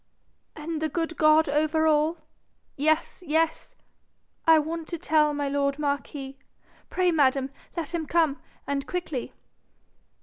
'And the good God over all ?' 'Yes, yes.' 'I want to tell my lord marquis. Pray, madam, let him come, and quickly.'